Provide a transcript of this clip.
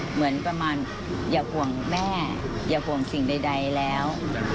เหมือนประมาณอย่าห่วงแม่อย่าห่วงสิ่งใดแล้ว